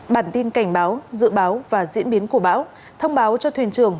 bản tin cảnh báo dự báo và diễn biến của bão thông báo cho thuyền trường